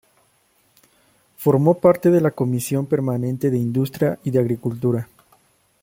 Formó parte de la Comisión permanente de Industria y de Agricultura.